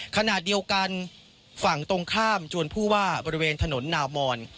ขณะเดียวกันฝั่งตรงข้ามชวนผู้ว่าบริเวณถนนนามอน